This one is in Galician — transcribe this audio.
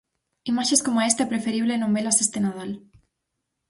Imaxes coma esta é preferible non velas este Nadal.